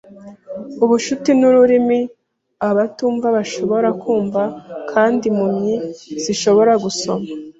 Ubucuti ni ururimi abatumva bashobora kumva kandi impumyi zishobora gusoma.